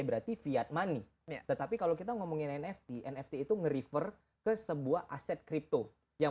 berarti fiat money tetapi kalau kita ngomongin nfc nfc itu nge refer ke sebuah aset crypto yang